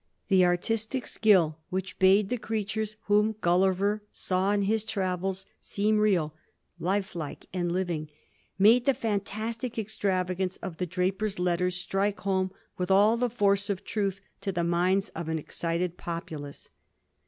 The artistic skOl which bade the creatures whom Gulliver saw in his travels seem real, life like, and living made the fen tastic extravagance of the ^ Drapier's Letters ' strike home with all the force of truth to the minds of an excited populace.